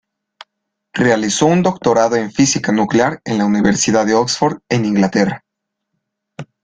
Realizó un doctorado en Física Nuclear en la Universidad de Oxford en Inglaterra.